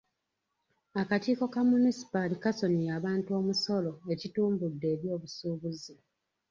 Akakiiko ka munisipaali kasonyiye abantu omusolo ekitumbude ebyobusuubuzi.